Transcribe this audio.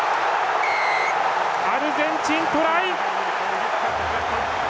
アルゼンチン、トライ！